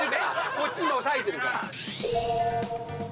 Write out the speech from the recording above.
こっち今押さえてるから。